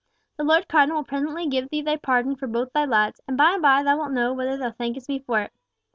The Lord Cardinal will presently give thee the pardon for both thy lads, and by and by thou wilt know whether thou thankest me for it!"